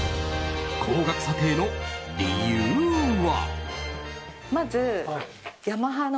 高額査定の理由は。